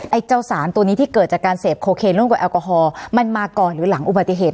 ไอ้เจ้าสารตัวนี้ที่เกิดจากการเสพโคเคนร่วมกับแอลกอฮอล์มันมาก่อนหรือหลังอุบัติเหตุ